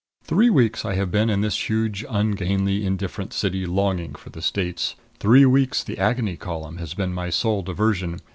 Three weeks I have been in this huge, ungainly, indifferent city, longing for the States. Three weeks the Agony Column has been my sole diversion.